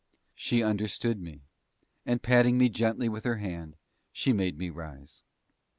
She understood me, and patting me gently with her hand, she made me rise.